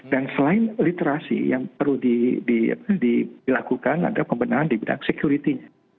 dan selain literasi yang perlu dilakukan ada pembinaan di bidang security